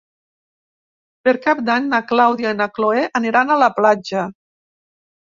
Per Cap d'Any na Clàudia i na Cloè aniran a la platja.